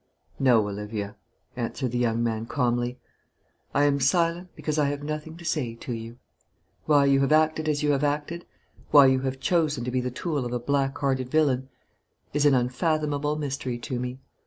"No, Olivia," answered the young man, calmly. "I am silent, because I have nothing to say to you. Why you have acted as you have acted, why you have chosen to be the tool of a black hearted villain, is an unfathomable mystery to me.